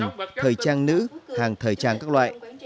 hàng thời trang nữ hàng thời trang các loại